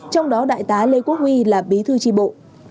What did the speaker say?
trong đó đại tá lê quốc huy là bí thư tri bộ